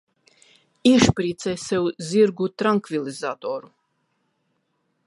Iešpricē sev zirgu trankvilizatoru.